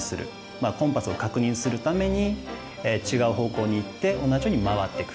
まぁコンパスを確認するために違う方向に行って同じように回ってくる。